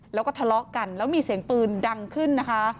แล้วก็ทะเลาะกันแล้วมีเสียงปืนดังขึ้นนะคะ